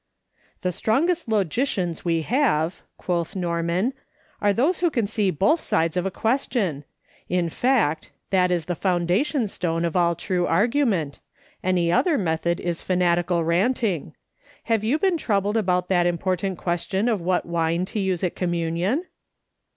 " The strongest logicians we have," quoth Norman, " are those who can see both sides of a question. In fact, that is the foundation stone of all true argu ment ; any other method is fanatical ranting. Have you been troubled about that important question of what wine to use at communion